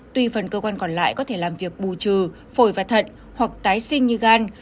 tuy phần cơ quan còn lại có thể làm việc bù trừ phổi và thận hoặc tái sinh như gan